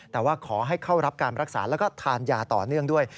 แต่ว่าขอให้เข้ารับการรักษาแล้วก็ทานยาต่อเนื่องด้วย